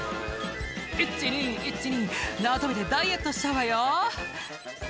「イチ・ニイチ・ニ縄跳びでダイエットしちゃうわよ」